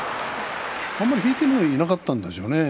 あまり引いてもなかったんですよね